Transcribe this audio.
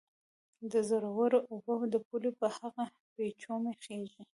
د زورورو اوبه د پولې په هغه پېچومي خېژي